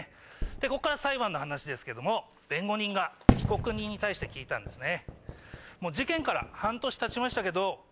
ここから裁判の話ですけども弁護人が被告人に対して聞いたんですね。